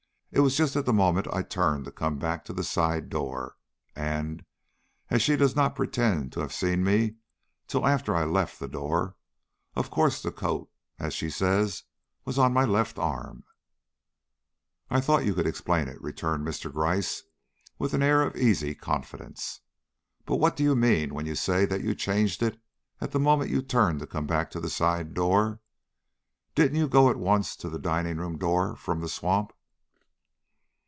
It was just at the moment I turned to come back to the side door, and, as she does not pretend to have seen me till after I left the door, of course the coat was, as she says, on my left arm." "I thought you could explain it," returned Mr. Gryce, with an air of easy confidence. "But what do you mean when you say that you changed it at the moment you turned to come back to the side door? Didn't you go at once to the dining room door from the swamp?"